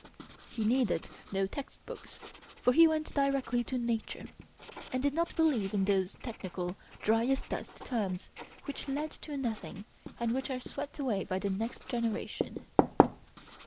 He needed no text books, for he went directly to Nature, and did not believe in those technical, dry as dust terms which lead to nothing and which are swept away by the next generation.